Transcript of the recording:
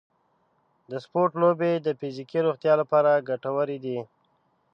د سپورټ لوبې د فزیکي روغتیا لپاره ګټورې دي.